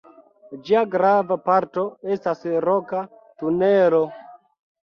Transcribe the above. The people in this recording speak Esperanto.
Ĝia grava parto estas Roka tunelo.